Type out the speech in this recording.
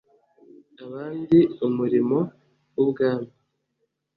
Abandi umurimo w ubwami